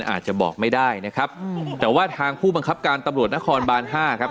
อาจจะบอกไม่ได้นะครับแต่ว่าทางผู้บังคับการตำรวจนครบานห้าครับ